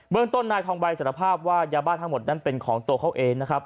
เมืองต้นนายทองใบสารภาพว่ายาบ้าทั้งหมดนั้นเป็นของตัวเขาเองนะครับ